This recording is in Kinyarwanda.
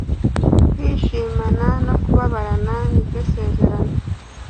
kwishimana no kubabarana niryo sezerano